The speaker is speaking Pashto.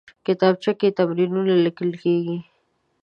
کتابچه کې تمرینونه لیکل کېږي